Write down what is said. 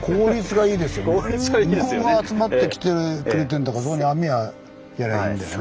向こうが集まってきてくれてんだからそこに網やりゃいいんだよね。